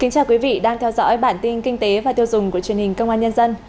chào mừng quý vị đến với bản tin kinh tế và tiêu dùng của truyền hình công an nhân dân